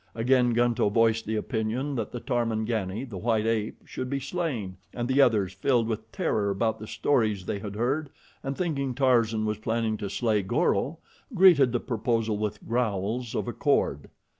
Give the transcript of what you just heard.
Again Gunto voiced the opinion that the Tarmangani, the white ape, should be slain, and the others, filled with terror about the stories they had heard, and thinking Tarzan was planning to slay Goro, greeted the proposal with growls of accord.